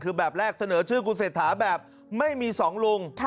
คือแบบแรกเสนอชื่อคุณเศรษฐาแบบไม่มีสองลุง